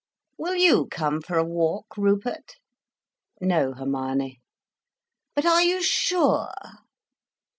"Will you come for a walk, Rupert?" "No, Hermione." "But are you _sure?